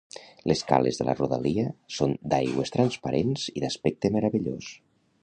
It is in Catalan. Les cales de la rodalia són d'aigües transparents i d'aspecte meravellós.